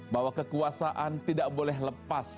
bahwa kekuasaan tidak boleh lepas